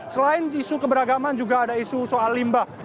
selain isu keberagaman juga ada isu soal limbah